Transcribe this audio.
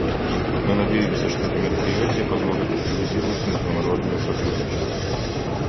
Мы надеемся, что это мероприятие позволит активизировать международное сотрудничество.